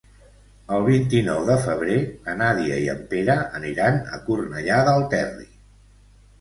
El vint-i-nou de febrer na Nàdia i en Pere aniran a Cornellà del Terri.